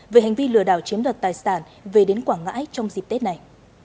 về hành vi lừa đảo chiếm đoạt tài sản về đến quảng ngãi trong dịp tết này